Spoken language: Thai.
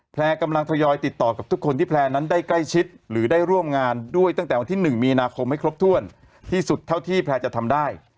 กำลังทยอยติดต่อกับทุกคนที่แพลร์นั้นได้ใกล้ชิดหรือได้ร่วมงานด้วยตั้งแต่วันที่๑มีนาคมให้ครบถ้วนที่สุดเท่าที่แพลร์จะทำได้